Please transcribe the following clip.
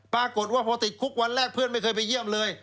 ปรากฏว่าพอติดคุกวันแรกเพื่อนไม่เคยไปเยี่ยมเลย